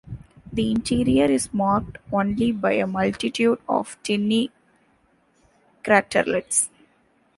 The interior is marked only by a multitude of tiny craterlets.